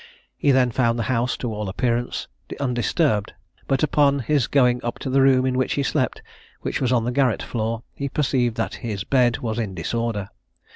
He then found the house, to all appearance, undisturbed; but upon his going up to the room in which he slept, which was on the garret floor, he perceived that his bed was in disorder.